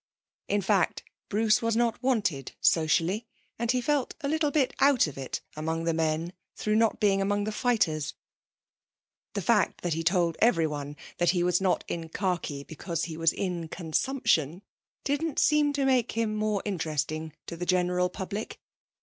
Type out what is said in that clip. In fact, Bruce was not wanted socially, and he felt a little bit out of it among the men through not being among the fighters. The fact that he told everyone that he was not in khaki because he was in consumption didn't seem to make him more interesting to the general public.